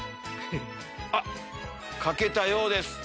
あっ描けたようです。